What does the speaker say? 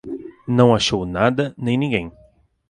Não achou nada, nem ninguém.